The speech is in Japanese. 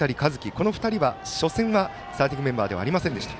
この２人は、初戦はスターティングメンバーではありませんでした。